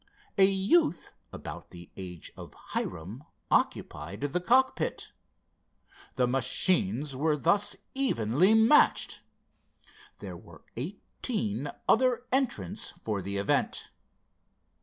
A youth about the age of Hiram occupied the cockpit. The machines were thus evenly matched. There were eighteen other entrants for the event.